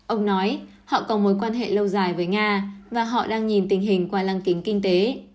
ông nói họ có mối quan hệ lâu dài với nga và họ đang nhìn tình hình qua lăng kính kinh tế